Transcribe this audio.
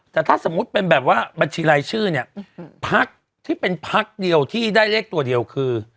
แต่ถ้าสมมุติเป็นแบบว่าบัญชีรายชื่อเนี่ยพักที่เป็นพักเดียวที่ได้เลขตัวเดียวคือ